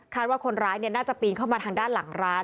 ว่าคนร้ายน่าจะปีนเข้ามาทางด้านหลังร้าน